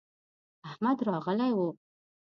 احمد راغلی و.